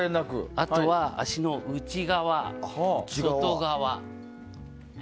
あとは足の内側、外側。